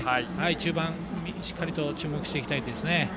中盤、しっかりと注目していきたいですね。